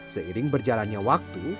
seiring berjalannya waktu